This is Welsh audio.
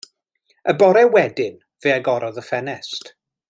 Y bore wedyn fe agorodd y ffenest.